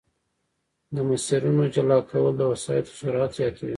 د مسیرونو جلا کول د وسایطو سرعت زیاتوي